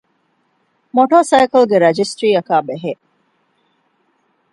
މޮޓޯސައިކަލްގެ ރަޖިސްޓަރީއަކާބެހޭ